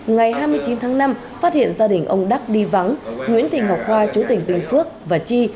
ngày hai mươi chín tháng năm phát hiện gia đình ông đắc đi vắng nguyễn thị ngọc hoa chú tỉnh bình phước và chi